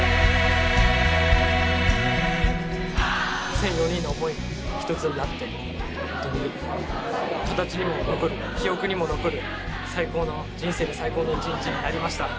１，００４人の思いが一つになって本当に形にも残る記憶にも残る最高の人生で最高の一日になりました。